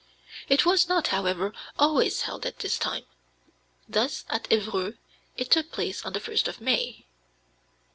It was not, however, always held at this time; thus at Evreux it took place on the 1st of May.